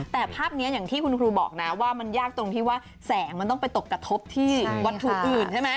แต่ภาพนี้อย่างที่คุณครูบอกนะว่ามันยากตรงที่ว่าแสงมันต้องไปตกกระทบที่วัตถุอื่นใช่ไหม